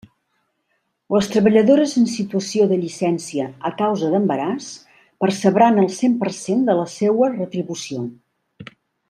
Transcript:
Les treballadores en situació de llicència a causa d'embaràs percebran el cent per cent de la seua retribució.